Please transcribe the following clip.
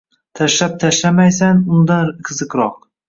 Tashlab tashlamaysan, undan qiziqroq.